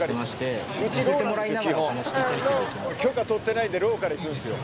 許可取ってないんでローカル行くんですよ。